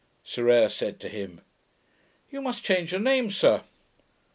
Sir Eyre said to him, 'You must change your name, sir.'